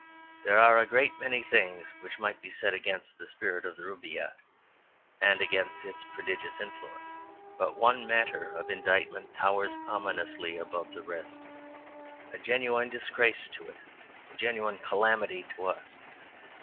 There are a great many things which might be said against the spirit of the Rubaiyat, and against its prodigious influence. But one matter of indictment towers ominously above the rest a genuine disgrace to it, a genuine calamity to us.